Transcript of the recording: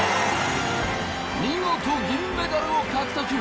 見事銀メダルを獲得。